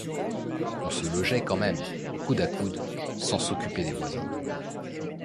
On se logeait quand même, coudes à coudes, sans s’occuper des voisins.